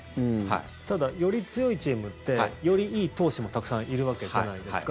ただ、より強いチームってよりいい投手もたくさんいるわけじゃないですか。